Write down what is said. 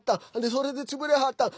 それで潰れはったん。